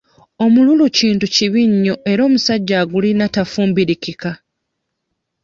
Omululu kintu kibi nnyo era omusajja agulina tafumbirikika.